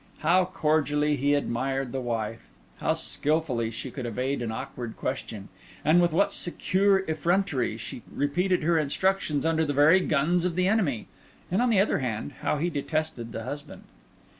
How cordially he admired the wife! How skilfully she could evade an awkward question! with what secure effrontery she repeated her instructions under the very guns of the enemy! and on the other hand, how he detested the husband!